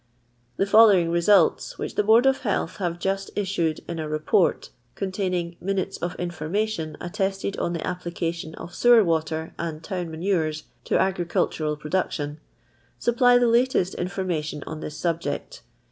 Tlic following results, which the Br ard of Ilcallh have just issued in a Report, containing " Minutes of Information attested on the Applica ' tii'ii of Sewor waler and Town Manures to Agri , cultural Production," supply the latest information on this subject.